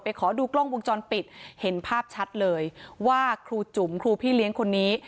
ขอดูกล้องวงจรปิดเห็นภาพชัดเลยว่าครูจุ๋มครูพี่เลี้ยงคนนี้